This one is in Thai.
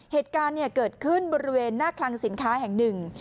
เหตุการณ์เกิดขึ้นบริเวณหน้าคลังสินค้าแห่งหนึ่ง